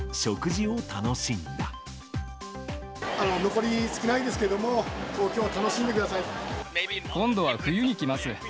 残り少ないですけれども、今度は冬に来ます。